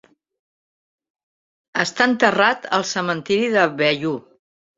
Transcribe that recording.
Està enterrat al cementiri de Bellu.